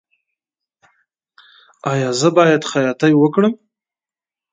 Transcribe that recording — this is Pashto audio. ایا زه باید خیاطۍ وکړم؟